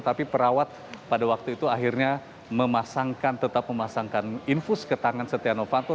tapi perawat pada waktu itu akhirnya memasangkan tetap memasangkan infus ke tangan setia novanto